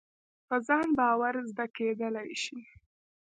په ځان باور زده کېدلای شي.